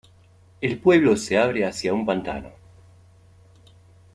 El pueblo se abre hacia un pantano.